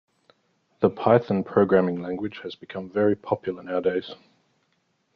The python programming language has become very popular nowadays